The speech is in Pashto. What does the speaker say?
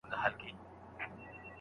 کړي.